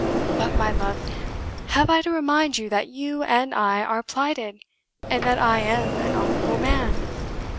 But, my love, have I to remind you that you and I are plighted, and that I am an honourable man?"